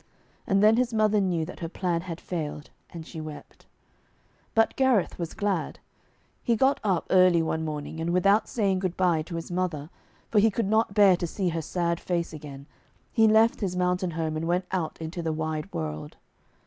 And then his mother knew that her plan had failed, and she wept. But Gareth was glad. He got up early one morning, and without saying good bye to his mother, for he could not bear to see her sad face again, he left his mountain home, and went out into the wide world.